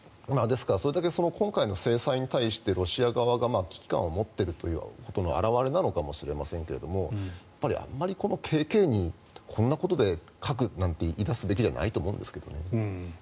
ですからそれだけ今回の制裁に対してロシア側が危機感を持っているということの表れなのかもしれないんですがやっぱりあんまりこの軽々にこんなことで核なんて言い出すべきじゃないんですね。